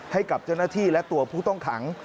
ให้กับเจ้าหน้าที่และตัวผู้ต้องขัง